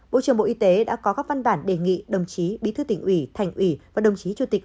bộ trưởng bộ y tế đã có các văn bản đề nghị đồng chí bí thư tỉnh ủy thành ủy và đồng chí chủ tịch